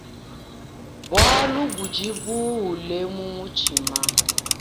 Bualu budi buule mu mutshima.